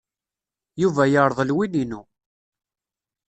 Yuba yerḍel win-inu.